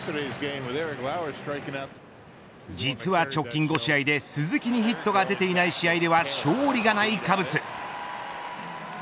実は直近５試合で鈴木にヒットが出ていない試合では勝利がないカブス。